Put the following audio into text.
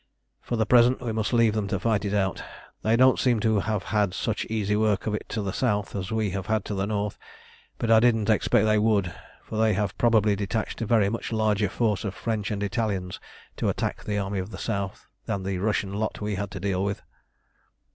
"For the present we must leave them to fight it out. They don't seem to have had such easy work of it to the south as we have had to the north; but I didn't expect they would, for they have probably detached a very much larger force of French and Italians to attack the Army of the South than the Russian lot we had to deal with."